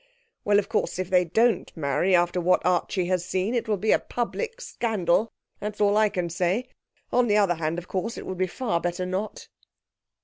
'Well, of course, if they don't marry after what Archie has seen, it will be a public scandal, that's all I can say. On the other hand, of course, it would be far better not.'